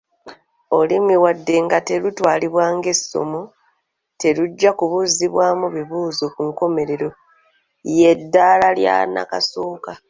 Olulimi wadde nga lutwalibwa ng’essomo, terujja kubuuzibwamu bibuuzo ku nkomerero y’eddaala lya nnakasooka.